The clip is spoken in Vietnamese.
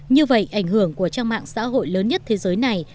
như vậy ảnh hưởng của trang mạng xã hội lớn nhất thế giới này